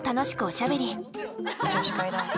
女子会だ。